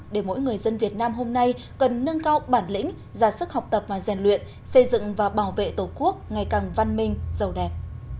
để mỗi người dân việt nam hôm nay cần nâng cao bản lĩnh ra sức học tập và rèn luyện xây dựng và bảo vệ tổ quốc ngày càng văn minh giàu đẹp